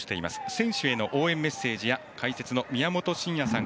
選手への応援メッセージや解説の宮本慎也さん